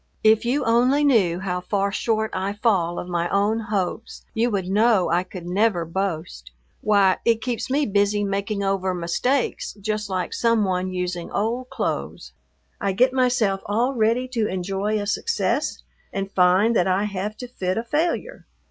If you only knew how far short I fall of my own hopes you would know I could never boast. Why, it keeps me busy making over mistakes just like some one using old clothes. I get myself all ready to enjoy a success and find that I have to fit a failure.